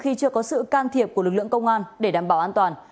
khi chưa có sự can thiệp của lực lượng công an để đảm bảo an toàn